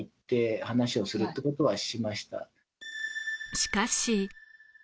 しかし。